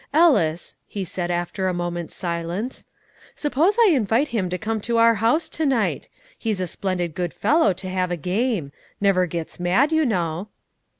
"Ellis," he said, after a moment's silence, "suppose I invite him to come to our house to night? He's a splendid good fellow to have a game; never gets mad, you know."